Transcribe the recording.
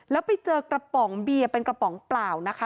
แล้วไปเจอกระป๋องเบียร์เป็นกระป๋องเปล่านะคะ